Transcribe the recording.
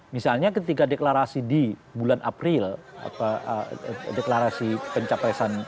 misalnya ketika deklarasi di bulan april deklarasi pencapresan